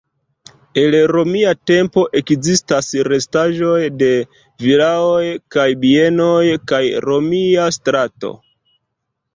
El romia tempo ekzistas restaĵoj de vilaoj kaj bienoj kaj romia strato.